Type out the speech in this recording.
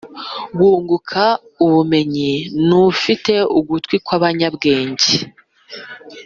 wunguka ubumenyi n ufite ugutwi kw abanyabwenge